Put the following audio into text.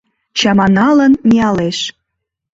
Чаманалын миялеш.